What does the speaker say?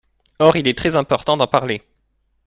Or il est très important d’en parler.